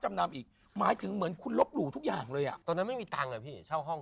จำนำอีกหมายถึงเหมือนคุณลบหลู่ทุกอย่างเลยอ่ะตอนนั้นไม่มีตังค์อ่ะพี่เช่าห้อง